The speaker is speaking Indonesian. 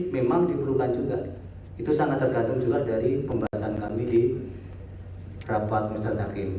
memang diperlukan juga itu sangat tergantung juga dari pembahasan kami di rapat ustadz hakim